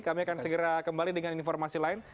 kami akan segera kembali dengan informasi lain